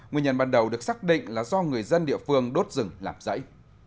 nguyên nhân ban đầu được xác định là do người dân địa phương đốt rừng làm rẫy